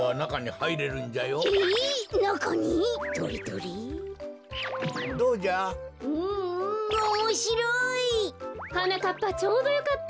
はなかっぱちょうどよかった。